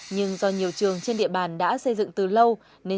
nhưng do nhiều trường trên địa bàn đã xây dựng từ lâu nên